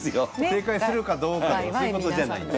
正解するかどうかとかそういうことじゃないと。